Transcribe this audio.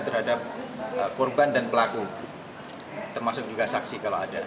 terhadap korban dan pelaku termasuk juga saksi kalau ada